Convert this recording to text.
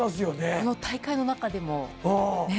この大会の中でもね。